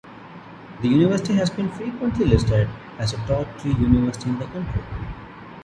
The university has been frequently listed as a top three university in the country.